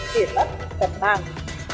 khiển bất thật bằng